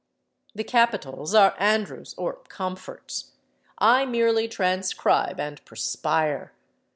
The capitals are Andrew's—or Comfort's. I merely transcribe and perspire.